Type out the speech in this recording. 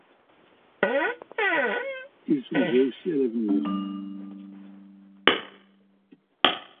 Il songeait aussi à l’avenir.